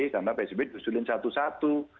karena psbb disuling satu satu